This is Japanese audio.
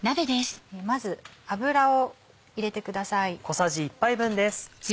まず油を入れてください。